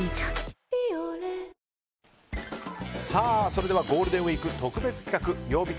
それではゴールデンウィーク特別企画曜日